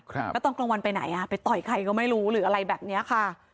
แล้วตอนกลางวันไปไหนอ่ะไปต่อยใครก็ไม่รู้หรืออะไรแบบเนี้ยค่ะ